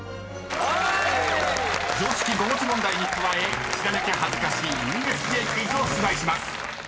［常識５文字問題に加え知らなきゃ恥ずかしいＵＳＪクイズを出題します］